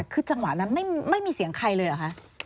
คือจังหวะนั้นไม่มีเสียงใครเลยเหรอคะ